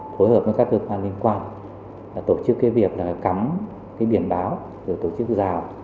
phối hợp với các cơ quan liên quan tổ chức việc cắm biển báo tổ chức rào